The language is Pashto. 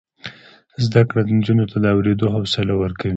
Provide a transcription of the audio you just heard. زده کړه نجونو ته د اوریدلو حوصله ورکوي.